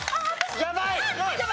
やばい！